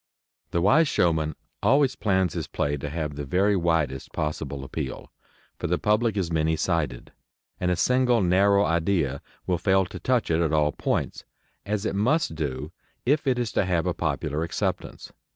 The wise showman always plans his play to have the very widest possible appeal, for the public is many sided, and a single narrow idea will fail to touch it at all points, as it must do if it is to have a popular acceptance.